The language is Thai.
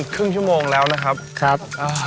คลิ้งชั่วโมงแล้วนะครับ